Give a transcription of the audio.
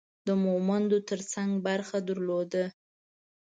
د مومندو ترڅنګ برخه درلوده.